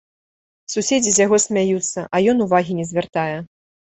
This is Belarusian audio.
Суседзі з яго смяюцца, а ён увагі не звяртае.